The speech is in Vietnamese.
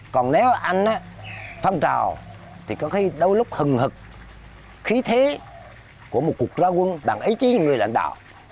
còn nếu anh phong trào thì có thấy đôi lúc hừng hực khí thế của một cuộc ra quân bằng ý chí người lãnh đạo